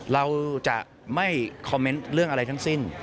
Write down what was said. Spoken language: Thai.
เราจะไม่คอมเมนต์เรื่องอะไรทั้งสิ้น